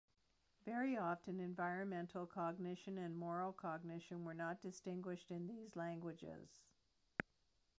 Very often, environmental cognition and moral cognition were not distinguished in these languages.